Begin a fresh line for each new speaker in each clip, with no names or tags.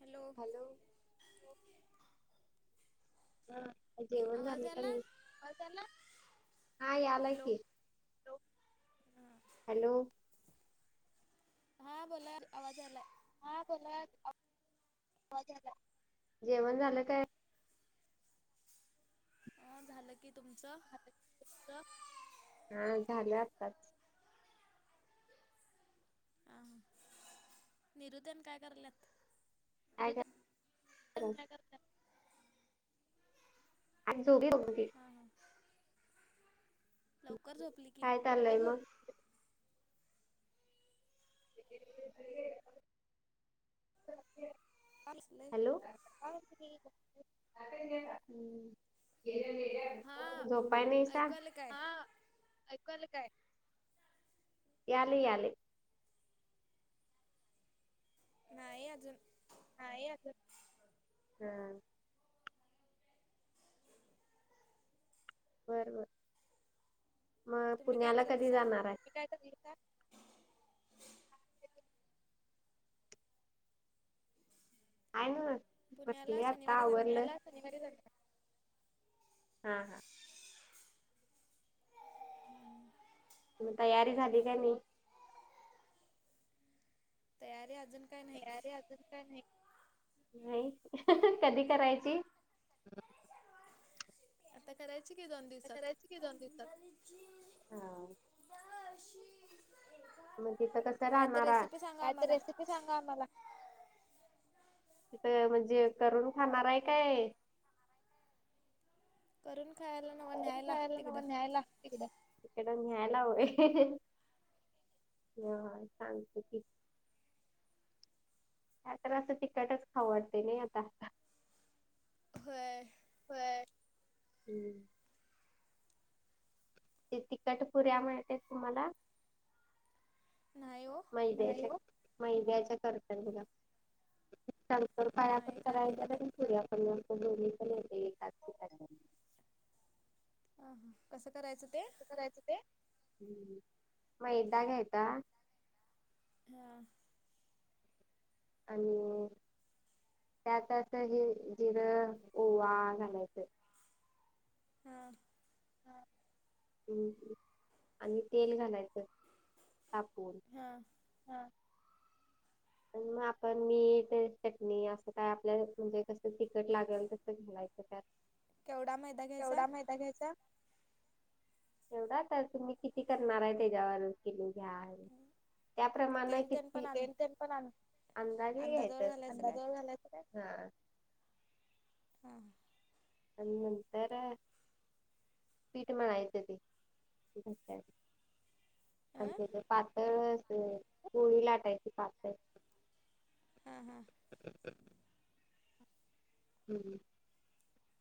Hello
hello हा जेवण
आवाज
झाले का
आला?
नाई आवाज आला हा याला
हॅलो
की, हॅलो
हा बोला आवाज यालाय.
हा बोला, आवाज यालय, जेवण झालं काय?
अ झालं की तुमचं
हा झाल आताच
आ हा निरुदन काय करल्यात?
काय [inaudible] क [inaudible] कचरा कर आणि [unintelligible]
हा ह लवकर झोप
काय चाललंय म
असलय
हॅलो [unintelligible] हूं
हा
[unintelligible] झोपाय नाई
ऐकू
सांग
आलं काय?
हा ऐकू आलं काय? याले याले
नाय अजून
नाही अजून हां बरं बरं म
तुम्ही काय
पुण्याला कधी
करायलीसा?
जाणार आय [unintelligible] आय न
पुण्याला
बसले आता
शनिवारी जाणार
आवरलं.
आहे.
पुण्याला शनिवारी जाणार. हा हा
[unintelligible]
म तयारी झाली का नई
तयारी अजून काय नाही.
तयारी अजून काय नाही, नाही कधी करायची?
आता करायची कि दोन दिवसात.
हा मग तिथ कस
काय तर
राहणार आहे
रेसिपी सांगा
काय तर
आम्हाला.
रेसिप. तिच्या अंगाऊन आला, तिथ म्हणजे करून खाणार आहे काय?
करून खायला. नव्ह
करून
न्यायला
खायला न्हव
तिकडं.
न्यायला तिकडं. तिकड न्यायला व्हय सांगते की काय तर असं तिकटच खाऊ वाटतय नई आता.
व्हय.
व्हय हू! ते तिखट पुुऱ्या मिळतेत तुम्हाला.
न्हाय ओ.
मैंद्याच्या, मैंद्याच्या कर्त्यांन तूला.
नाही काय माहीत नाही
[unintelligible]
आ हा कसं करायचं ते.
कसं करायचं ते ऊ मैदा घेता.
हा!
आणि त्यात आता जी-जिरं ओवा घालायचं.
हा!
हूं आणि तेल घालायचं तापवुन.
हा!
हा! पण मग आपण मीठ चटणी, असं काय आपल्याला म्हणजे कसं तिकट लागेल, तसं घालायचं त्यात.
केवढा मैदा घ्यायचा?
केवढा मैदा घ्यायचा. एवढा तर तुमी किती करणार आहे त्याच्यावर. किलो घ्याल त्याप्रमाणे
तेल तेन पण
किती.
अं
ते पन अंदाजे
अंदाजावर
घ्यायच
घालायचं काय
अंदाजे घालायच काय हा.
हां!
आणि नंतरआ. पीठ मळायच ते. अण
अं
त्याच पातळ अस पोळी लाटायची पातळ. [inaudible]
हा हा!
[inaudible] हूं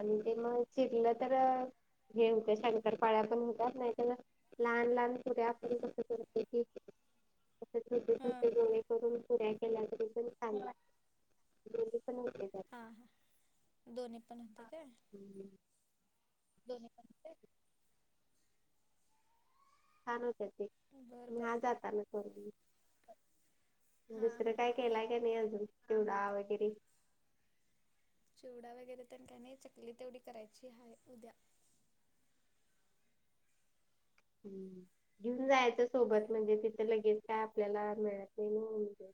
आण ते म चिरलं तर. हे होते शंकर पाळ्या पण होत्यात नाही तन. लहान, लहान पुऱ्या आपण कस करतोय कि असे छोटे, छोटे
हां
गोळे. करून पुऱ्या केल्या तरी पण चांगलय दोनीपण होतंय त्यात.
आ हा दोन्ही पण होतय काय?
[inaudible] दोनी पण [unintelligible] छान होत्यात ते
बरं
म हा
बरं
जाताना करून देईल
हां
दुसरं
हां
काय. केलाय का नाही अजून चिवडा वगैरे.
चिवडा वगैरें तरं कांहीं नाहीं चकली तेवढी करांयची आहे उद्यां
हम्मं घेऊंन जायचं सोबतं म्हणजे तिथं लगेच कायं आपल्याला मिळतं नाहीं नं म्हणजे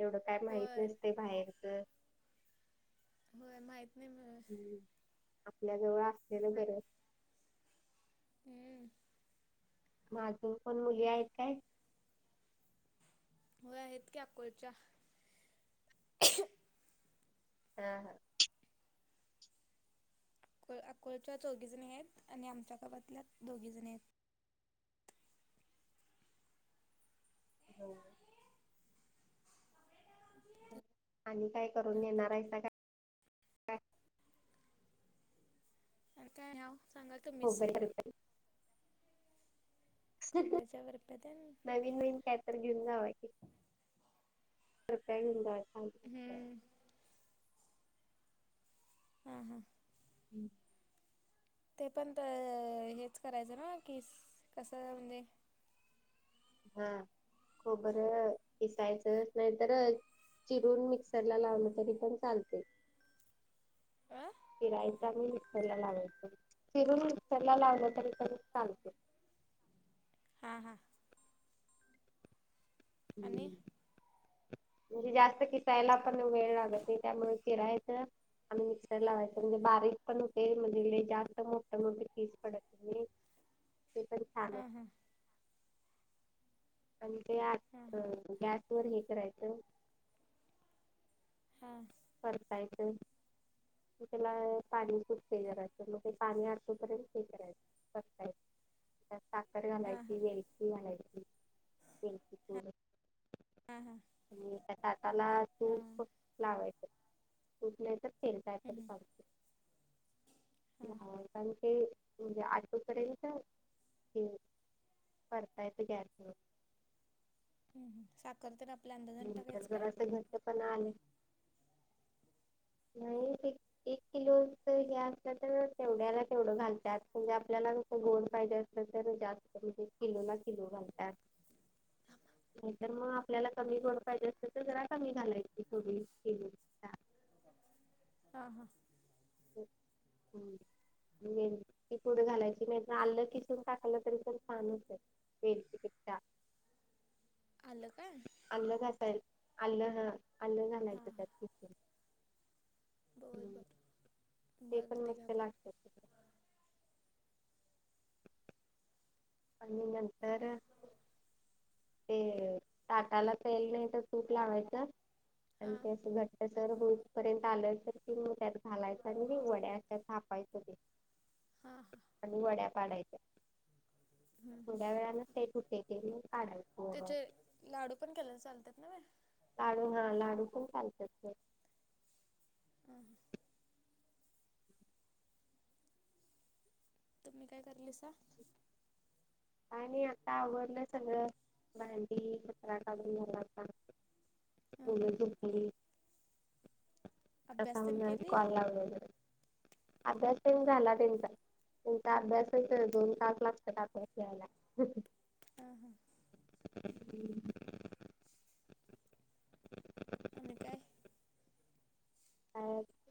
एवढं कायं माहित
होय
नसतं बाहेरचं
होयं माहित नाहीं मलां
आपल्या जवळं असलेलं गरजं
हम्मं
मंग अजूंन कोणं मुली आहेतं कायं
व्हयं इतक्यां पुरंच्या
हम्मं
अंकल अकोडच्या चौघी जणी आहेतं आणि आमच्या गावांतल्या दोघे जणं आहेतं
हो
[unintelligible]
आणि कायं करूंन येणारं आहेसां कायं
कायं आहे सांगा
हो बरोबर
खोबरांच्या बर्फ्या तेनं
नने कायं तरं घेऊंन जावां कृपयां घेऊन जां जां
हम्मं हम्मं हां
हम्मं
ते पणं तरं हेंचं करायचं नां किस कसं म्हणजे
हां खोबरं खिसांयचंच नाहीं तरं चिरूंन मिक्सरला लावलं तरी पणं चालते
अ
चिरायचं मं चिरांयाला लावायचं चिरूंन मिक्सरला लावलं तरी तरी चालते
हां हां आणि
हम्मं म्हणजे जास्तं किसांयला पणं वेळं लागतो त्यामुळें चिरायचं आणि मिक्सर लावांयच म्हणजे बारीक पणं होते म्हणजे जास्तं मोठे मोठे कीस पडतं ते पणं छाणं
हा हा
आणि ते
हा
आंत
हा
गॅस वरं हे करायचं
हांस
परतायचं त्यांला पाणी खूंप ते करायचं मंग ते पाणी आटूंपर्यंत ते परतायचं सांखर
हा हा
घालांयची वेलचीपूड घालांयची व चूं
हा हा
आणि त्यां ताटांला तूंप लावायचं तूप नाहीं तरं तेल पा [unintelligible]
हम्म हां
कारे आटो पर्यंतं करायचं ते परतायचं गॅस वरं
हम्मं सांखर तरं आपल्या अंदाजानं टाकायचं कायं
पणं आले नाहीं एक किलो हे असलं तरं तेवढ्यांला तेवढं घालतांत म्हणजे आपल्यांला गोंड पाहिजे असलं तरं जास्तं म्हणजे किलो ला किलो घालतात. नाही तरर मग आपल्याला कमी गोड पाहिजे असत तर जरा कमी घालायची थोडी के.
हां हां.
हम्म. ती पुढे घालायची नाही आलं किसून टाकालं तरी पण छान होत. ते चिकित्सा.
अलं का.
अलं घाय अलं ह अलं घलाय
हां
त्यात खूप.
बर बर बर
पण
ते का
मस्त
करून.
लागत आणि
हा.
नंतर ते ताटाला तेल नाही तर तूप लावायचं. आणि
हां
ते असं घट्ट सर पर्यंत आलं तर की मग त्यात घालायचं आणि वड्याच्या थापायचं ते
हा-हा.
ह वड्या पडायचे. थोड्या वेळाला ते तुटे ते मी काढायत.
त्याचे लाडू पण केल्या चालतात ना म.
लाडू हा लाडू पण चालतात.
हं ह. तुम्ही काय करल सा.
आणि आता आवण सगळं भांडी कत्रा काून मला.
हां हां
तढे झुखली. अस
अभ्यास तेन
म्हून
केली
कॉल लाव. अभ्यास प झाला त्यांचा त्यांचा अभ्यासच दोन तास लागतात अभ्यास घयला.
ह हा. आणि काय?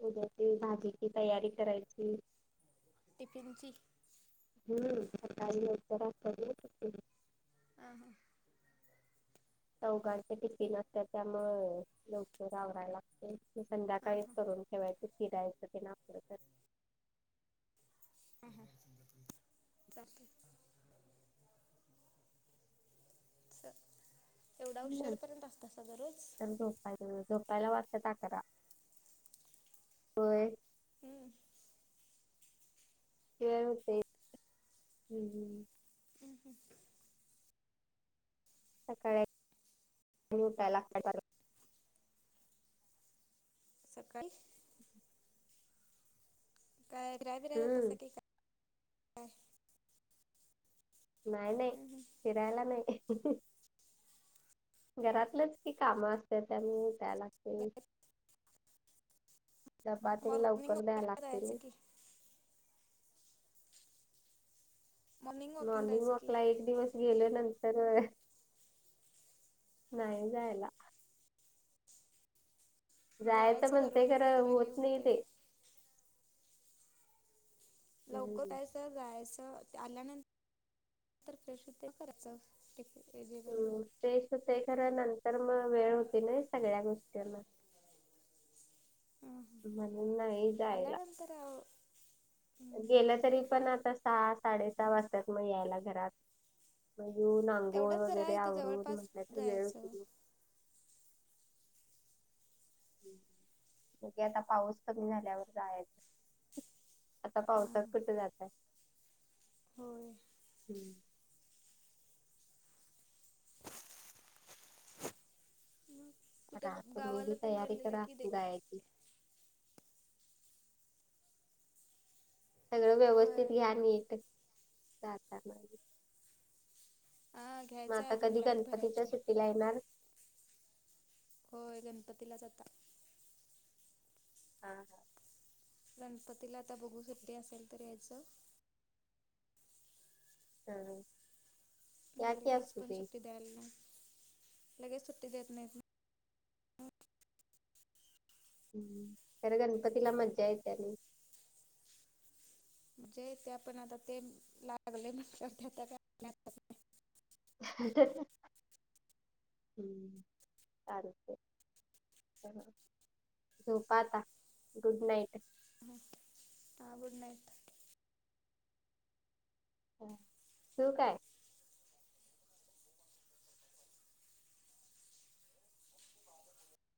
उद्यातील भाजीची तयारी करायची.
टिफिनची.
हम्मट [unintelligible]
ह-हां.
चौघाडचे टिफिन असतात त्यामुळे लवकर आवरायला लागते.
हां
संध्याकाळीच
हां
करून फिरायचं ते ना.
ह-ह चाललू. एवढा हुशार पर्यंत असतसा दररोज.
अ झोपायला वाजताता आकरा होय.
हम्म.
हो ते हम्.
हम् हम.
सकाळी उठायला लागतंय.
सकाळी काय फिरायला बिरायलाा जातासा
हम्म
की काय.
नाही नाही
हम्म हम्म
फिरायला नाही. घरातलंच कि काम असते त्यामुळे त्या लागते. चपातीने
मॉर्निंग
लवकर द्याय
वॉकिंगला
लागते
जायचं
म.
की वॉकिंग
मॉर्निंग
जायचं
वॉक
की
ला एक दिवस गेल्या नंतर, नाही जायला. जायचं म्हणते
दररोज
खरं,
जरा हे
होत नही
होतंय
ते. हम्म.
लवकरन यायचं जायचं, आल्यानंतर फ्रेश होत, करायचं. [unintelligible] जेवण.
फेश होतय खरं, नंतर मग वेळ होती ना, सगळ्या गोष्टींना. मण नही जायला.
नंतर
गेलं तरी पण आता, सहा, साडे-सहा वाजतात मग यायला घरात. मग येऊन आंगोळ
तेवढंच जरा
वगैरे
इथं
आवरून,
जवळपास
म्हटलं की वेळ
जायचं
होते. ते आता पाऊस कमी झाल्यावर, जायच [unintelligible] आता
हां
पावसात
हां
कुठे जाताय?
होय
हम्म.
मग
ह
कुठे
तर मी
गावाला
बी
पण
तयारी
गेलेला
करा,
की दे
गायाची. सगळं व्यवस्थित
होय
घ्या नीट, जाता ना.
आं, घ्यायचय अजून बॅग भरायचीय.
कितीला येणार?
होय गणपतीला, जाता.
हां.
गणपतीला आता बघू, सुट्टी असल तर यायचं.
हं हं.
लगेच पण सुट्टी द्यायला नही, लगेच सुट्टी देत नाहीत ना.
हम्म, खर गणपती ला मज्जा येते आणि.
म्हणजे ते आपण आता, ते लागले म्हनल्यावर [unintelligible]
हम्म सार झोपा आता, गुड नाईट.
ह्म, हां गुड नाईट.
तू काय?